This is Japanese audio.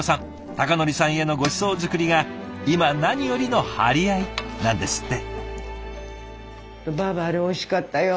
崇典さんへのごちそう作りが今何よりの張り合いなんですって。